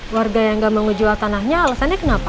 warga yang nggak mau ngejual tanahnya alasannya kenapa